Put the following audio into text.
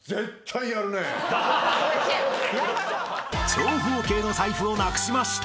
［「長方形の財布をなくしました」